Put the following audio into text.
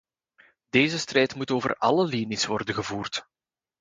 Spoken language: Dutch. Deze strijd moet over alle linies worden gevoerd.